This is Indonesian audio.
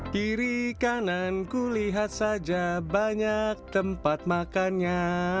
kiri kanan kulihat saja banyak tempat makannya